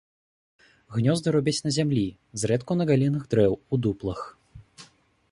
Гнёзды робяць на зямлі, зрэдку на галінах дрэў, у дуплах.